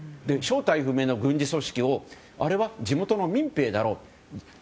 正体不明の軍事組織をあれは地元の民兵だろうと。